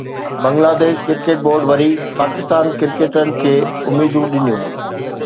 Bangladesh cricket board وري پاڪستاني ڪرڪيٽرن کي اميدون ڏنيون